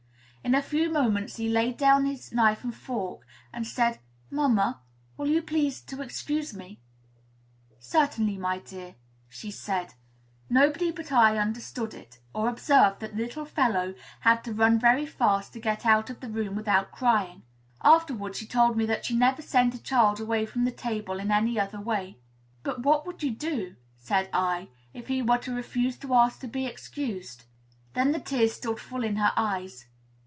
In a few moments he laid down his knife and fork, and said, "Mamma, will you please to excuse me?" "Certainly, my dear," said she. Nobody but I understood it, or observed that the little fellow had to run very fast to get out of the room without crying. Afterward she told me that she never sent a child away from the table in any other way. "But what would you do," said I, "if he were to refuse to ask to be excused?" Then the tears stood full in her eyes.